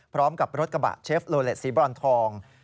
พร้อมกับรถกระบะเชฟโลเลสสีบรอนทอง